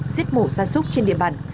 giết mổ xa xúc trên địa bàn